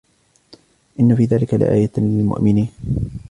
إِنَّ فِي ذَلِكَ لَآيَةً لِلْمُؤْمِنِينَ